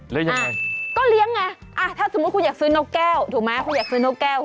แล้วยังไงก็เลี้ยงไงถ้าสมมุติคุณอยากซื้อนกแก้วถูกไหมคุณอยากซื้อนกแก้ว